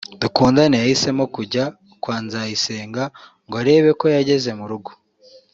Dukundane yahisemo kujya kwa Nzayisenga ngo arebe ko yageze mu rugo